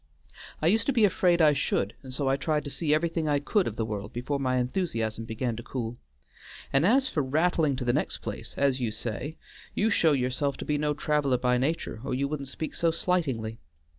"I used to be afraid I should, and so I tried to see everything I could of the world before my enthusiasm began to cool. And as for rattling to the next place, as you say, you show yourself to be no traveler by nature, or you wouldn't speak so slightingly.